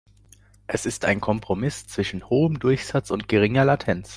Es ist ein Kompromiss zwischen hohem Durchsatz und geringer Latenz.